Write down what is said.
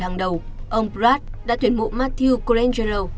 hàng đầu ông pratt đã thuyền mộ matthew colangelo